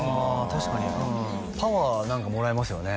確かにうんうんパワー何かもらえますよね